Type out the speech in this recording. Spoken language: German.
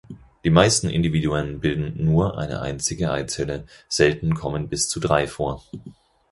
Die meisten Individuen bilden nur eine einzige Eizelle, selten kommen bis zu drei vor.